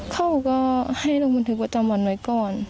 เขาก็ให้ลงบันทึกประจำวันไว้ก่อน